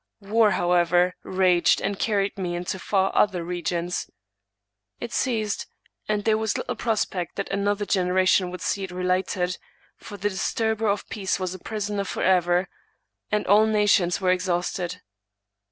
War, however, raged, and carried me into far other regions. It ceased, and there was little prospect that an other generation would see it relighted; for the disturber of peace was a prisoner forever, and all nations were ex hausted.